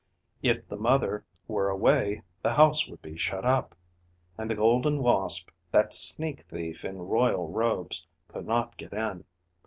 If the mother were away, the house would be shut up; and the Golden Wasp, that sneak thief in royal robes, could not get in.